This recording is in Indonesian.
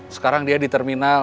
sekarang dia di terminal